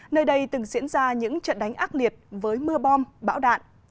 nơi đây từng diễn ra những trận đánh ác liệt với mưa bom bão đạn